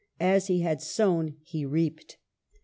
As he had sown, he reaped.